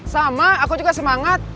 sama aku juga semangat